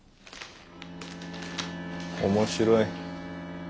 面白い。